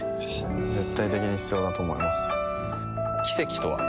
絶対的に必要だと思います奇跡とは？